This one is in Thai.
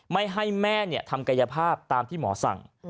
ไม่ให้แม่ทำกายภาพตามที่หมอสั่ง